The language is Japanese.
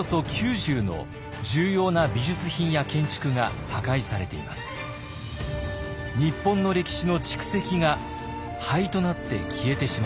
日本の歴史の蓄積が灰となって消えてしまったのです。